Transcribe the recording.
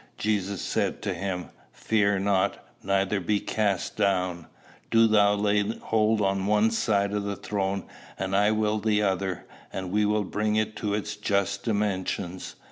Jesus said to him, Fear not, neither be cast down; do thou lay hold on one side of the throne, and I will the other, and we will bring it to its just dimensions.